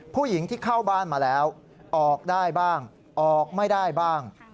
ผู้หญิงที่เข้าบ้านมาแล้วออกได้บ้างออกไม่ได้บ้าง